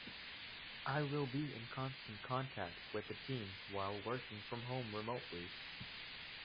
I will be in constant contact with the team while working from home remotely.